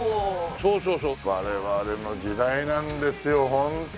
そうそうそう我々の時代なんですよ本当に。